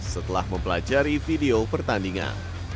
setelah mempelajari video pertandingan